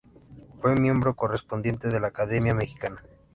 Fue miembro correspondiente de la Academia Mexicana.